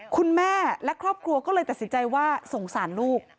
คุณแม่และครอบครัวก็เลยตัดสินใจว่าสงสารลูก